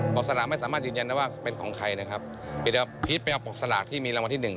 ปรกสลากไม่สามารถยืนยันว่าเป็นของใครนะครับแต่เดี๋ยวพีทไปเอาปรกสลากที่มีลำวงที่หนึ่ง